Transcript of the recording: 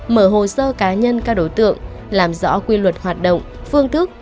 mở hồ sơ cá nhân các đối tượng làm rõ quy luật hoạt động phương thức